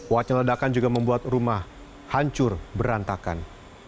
wacana ledakan juga membuat rumah hancur berantakan